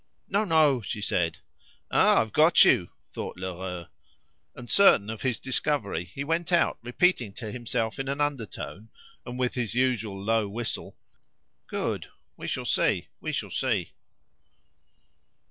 "No, no!" she said. "Ah! I've got you!" thought Lheureux. And, certain of his discovery, he went out repeating to himself in an undertone, and with his usual low whistle "Good! we shall see! we shall see!"